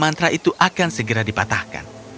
dan memikirkan bagaimana cara itu akan segera dipatahkan